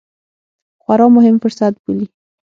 خورا مهم فرصت بولي